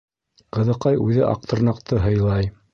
Ҡыҙыҡай үҙе Аҡтырнаҡты һыйлай.